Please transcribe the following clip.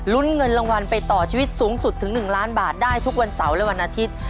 เงินรางวัลไปต่อชีวิตสูงสุดถึง๑ล้านบาทได้ทุกวันเสาร์และวันอาทิตย์